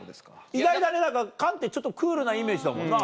意外だね何か菅ってちょっとクールなイメージだもんな。